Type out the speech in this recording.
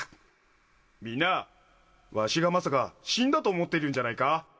「みんなわしがまさか死んだと思っているんじゃないか？」